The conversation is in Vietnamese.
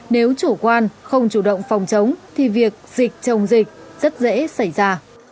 nếu chủ quan không chủ động phòng chống thì việc dịch trồng dịch rất dễ xảy ra